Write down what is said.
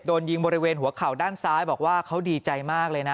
โดนยิงบริเวณหัวเข่าด้านซ้ายบอกว่าเขาดีใจมากเลยนะ